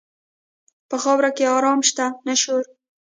په خاوره کې آرام شته، نه شور.